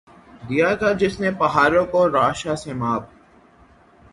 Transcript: دیا تھا جس نے پہاڑوں کو رعشۂ سیماب